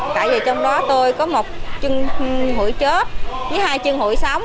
tại vì trong đó tôi có một chân hụi chết với hai chân hụi sống